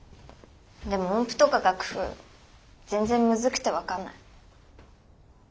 でも音符とか楽譜全然むずくて分かんない。